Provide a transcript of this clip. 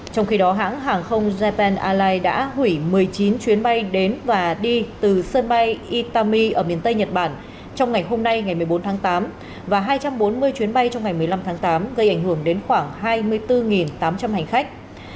trong khi đó hãng hàng không japan airlines đã hủy một mươi chín chuyến bay đến và đi từ sân bay itami ở miền tây nhật bản trong ngày hôm nay ngày một mươi bốn tháng tám và hai trăm bốn mươi chuyến bay trong ngày một mươi năm tháng tám gây ảnh hưởng đến khoảng hai mươi bốn tám trăm linh hành khách